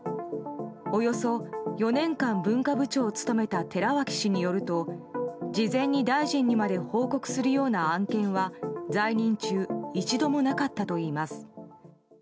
およそ４年間、文化部長を務めた寺脇氏によると事前に大臣にまで報告するような案件は在任中一度もなかったといいます。